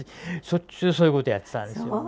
しょっちゅうそういうことやってたんですよ。